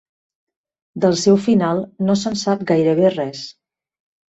Del seu final no se'n sap gairebé res.